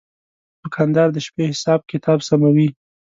دوکاندار د شپې حساب کتاب سموي.